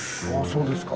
そうですか。